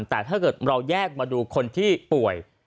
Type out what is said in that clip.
แต่ถ้าเกิดเราแยกมาดูคนที่ป่วย